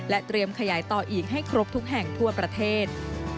เตรียมขยายต่ออีกให้ครบทุกแห่งทั่วประเทศ